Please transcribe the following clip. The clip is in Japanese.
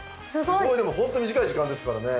ホント短い時間ですからね。